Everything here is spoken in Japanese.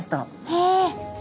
へえ。